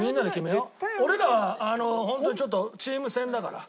俺らは本当にちょっとチーム戦だから。